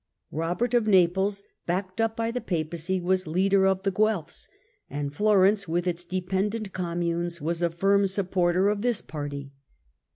Eobert of Naples backed up by the Papacy was leader of the Guelfs. and Florence with its dependent communes was a firm supporter of this party.